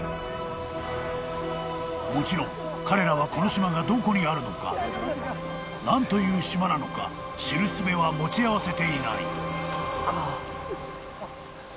［もちろん彼らはこの島がどこにあるのか何という島なのか知るすべは持ち合わせていない］